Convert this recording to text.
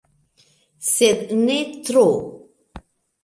Sed ne tro.